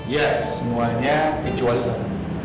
ya semuanya kecuali satu